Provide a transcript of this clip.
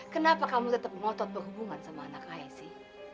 kenapa kamu tetap ngotot berhubungan sama anak ayah sih